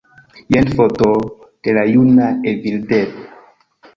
Jen foto de la juna Evildea